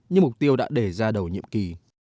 như mục tiêu đã để ra đầu nhiệm kỳ